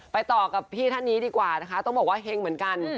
ต่อกับพี่ท่านนี้ดีกว่านะคะต้องบอกว่าเฮงเหมือนกัน